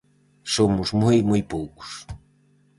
Somos moi, moi poucos...